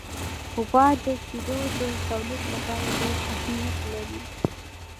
غوا د شیدو د تولید لپاره ډېر اهمیت لري.